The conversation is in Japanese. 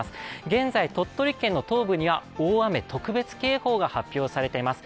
現在鳥取県の東部には大雨特別警報が発令されています。